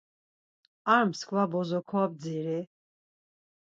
Ar mskva bozo kobdziri.